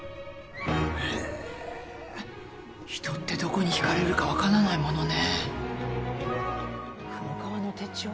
へぇ人ってどこに引かれるかわからないものね。